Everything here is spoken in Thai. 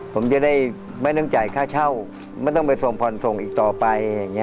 ผมจะได้ไม่ต้องจ่ายค่าเช่าไม่ต้องไปส่งผ่อนส่งอีกต่อไปอย่างนี้